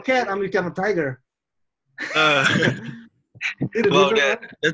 kamu menjadi kucing saya menjadi anjing